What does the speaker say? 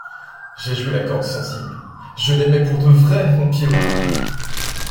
J’ai joué la corde sensible. Je l’aimais pour de vrai, mon Pierrot !